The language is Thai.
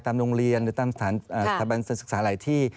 โรงเรียนหรือตามสถาบันศึกษาหลายที่